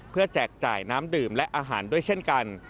แจกจ่ายน้ำดื่มและอาหารด้วยเช่นกัน